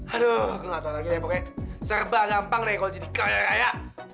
aduh aku gak tau lagi ya pokoknya serba gampang deh kalau jadi kaya raya